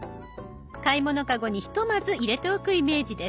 買い物かごにひとまず入れておくイメージです。